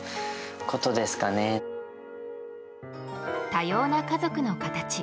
多様な家族の形。